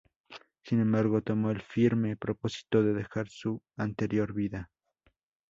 Sin embargo, tomó el firme propósito de dejar su anterior vida.